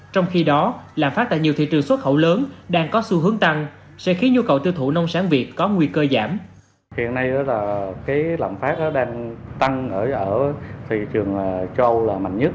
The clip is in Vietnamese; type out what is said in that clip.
trong khi đó lạm phát tại nhiều thị trường xuất khẩu lớn đang có xu hướng tăng sẽ khiến nhu cầu tiêu thụ nông sản việt có nguy cơ giảm